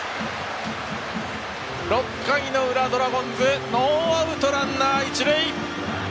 ６回の裏、ドラゴンズノーアウトランナー、一塁！